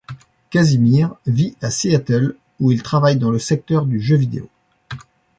Kazimir vit à Seattle où il travaille dans le secteur du jeu vidéo.